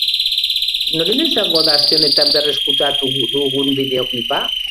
Norena izango da aste honetan berreskuratuko dugun bideoklipa?